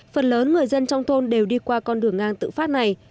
phần lớn người dân trong thôn đều đi qua con đường ngang tự phát này